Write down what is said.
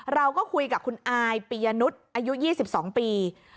เราก็คุยกับคุณอายปียนุษย์อายุ๒๒ปี